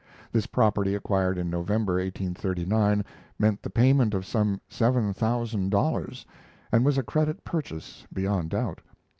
This property, acquired in November, 1839, meant the payment of some seven thousand dollars, and was a credit purchase, beyond doubt.